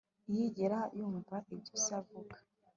Ntiyigera yumva ibyo se avuga